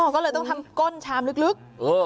ก็เลยต้องทำก้นชามลึก